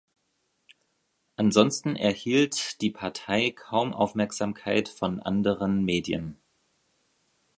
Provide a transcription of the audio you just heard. Ansonsten erhielt die Partei kaum Aufmerksamkeit von anderen Medien.